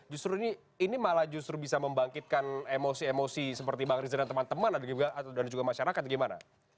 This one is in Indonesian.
justru ini malah justru bisa membangkitkan emosi emosi seperti bang riza dan teman teman dan juga masyarakat gimana